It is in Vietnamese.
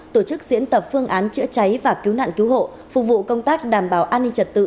tổ chức diễn tập phương án chữa cháy và cứu nạn cứu hộ phục vụ công tác đảm bảo an ninh trật tự